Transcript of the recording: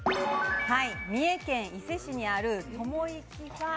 三重県伊勢市にあるともいきふぁー